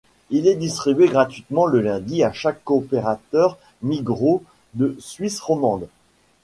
Il est distribué gratuitement le lundi à chaque coopérateur Migros de Suisse romande.